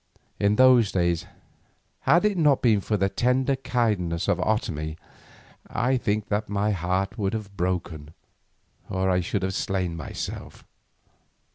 In those days, had it not been for the tender kindness of Otomie, I think that my heart would have broken or I should have slain myself.